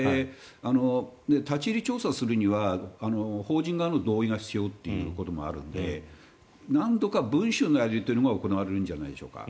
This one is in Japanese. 立ち入り調査するには法人側の同意が必要ということもあるので何度か文書なりで行われるんじゃないでしょうか。